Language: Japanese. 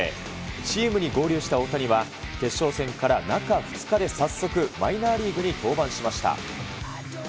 チームに合流した大谷は、決勝戦から中２日で早速、マイナーリーグに登板しました。